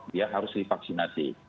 dia harus divaksinasi